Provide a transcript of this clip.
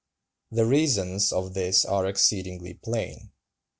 The reasons of this are exceedingly plain.